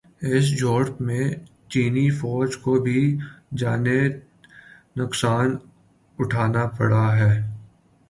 اس جھڑپ میں چینی فوج کو بھی جانی نقصان اٹھانا پڑا ہے